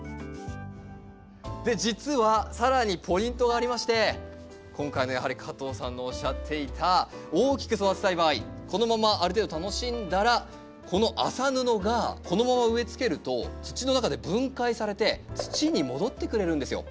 で実は更にポイントがありまして今回のやはり加藤さんのおっしゃっていた大きく育てたい場合このままある程度楽しんだらこの麻布がこのまま植えつけると土の中で分解されて土に戻ってくれるんですよ。